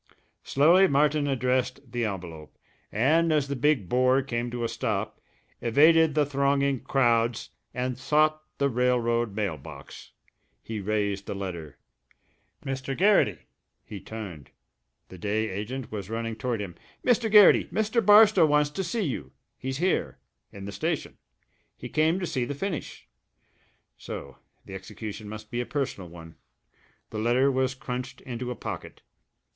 Slowly Martin addressed the envelope, and as the big bore came to a stop, evaded the thronging crowds and sought the railroad mail box. He raised the letter.... "Mr. Garrity!" He turned. The day agent was running toward him. "Mr. Garrity, Mr. Barstow wants to see you. He's here in the station. He came to see the finish." So the execution must be a personal one! The letter was crunched into a pocket.